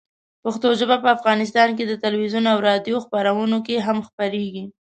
پښتو ژبه په افغانستان کې د تلویزیون او راډیو خپرونو کې هم خپرېږي.